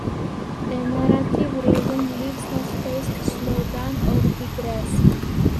The narrative rhythm leaves no space to slow down or digress.